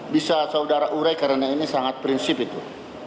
bisa saudara urai karena ini sangat prinsip itu